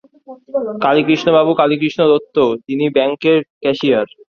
কালীকৃষ্ণ বাবু কালীকৃষ্ণ দত্ত, একটি ব্যাঙ্কের ক্যাশিয়ার।